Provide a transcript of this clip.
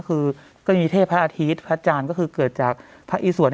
คือก็มีเทพพระอาทิตย์พระอาจารย์ก็คือเกิดจากพระอีสวด